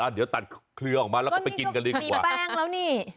เดี๋ยวตัดเครือออกมาและไปกินกันเลยอย่างนี้